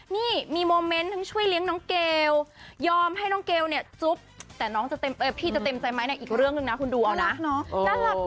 นี่มีโมเม้นต์ช่วยเลี้ยงน้องเกลยอมให้น้องเกลเนี่ยจุ๊บแต่พี่จะเต็มใจไหมเนี่ยอีกเรื่องนึงนะคุณดูเอานะ